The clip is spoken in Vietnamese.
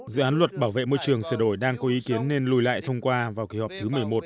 dự án luật bảo vệ môi trường sửa đổi đang có ý kiến nên lùi lại thông qua vào kỳ họp thứ một mươi một